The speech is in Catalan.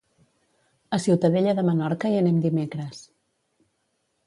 A Ciutadella de Menorca hi anem dimecres.